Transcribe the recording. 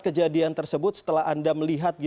kejadian tersebut setelah anda melihat